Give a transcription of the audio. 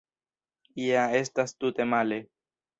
Ja estas tute male.